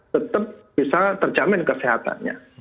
tetap bisa terjamin kesehatannya